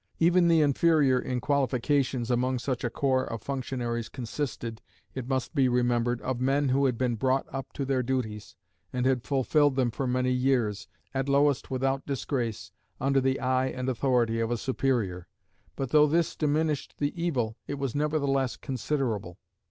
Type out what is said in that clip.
Even the inferior in qualifications among such a corps of functionaries consisted, it must be remembered, of men who had been brought up to their duties, and had fulfilled them for many years, at lowest without disgrace, under the eye and authority of a superior. But, though this diminished the evil, it was nevertheless considerable.